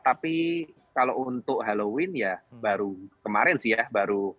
tapi kalau untuk halloween ya baru